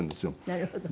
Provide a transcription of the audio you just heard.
なるほど。